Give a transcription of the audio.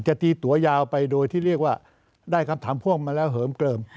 ตีตัวยาวไปโดยที่เรียกว่าได้คำถามพ่วงมาแล้วเหิมเกลิม